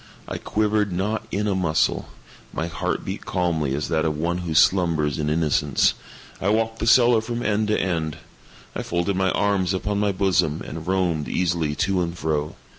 I quivered not in a muscle. My heart beat calmly as that of one who slumbers in innocence. I walked the cellar from end to end. I folded my arms upon my bosom, and roamed easily to and fro.